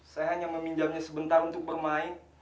saya hanya meminjamnya sebentar untuk bermain